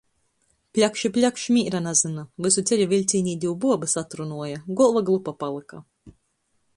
Pļakš i pļakš, mīra nazyna. Vysu ceļu viļcīnī div buobys atrunuoja, golva glupa palyka.